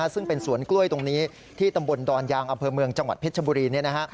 ซึ่งเป็นสวนกล้วยตรงนี้ที่ตำบลดอนยางอำเภอเมืองจังหวัดเพชรบุรี